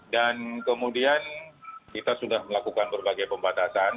dan kemudian kita sudah melakukan berbagai pembatasan